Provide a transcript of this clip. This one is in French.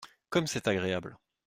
Comme c’est agréable !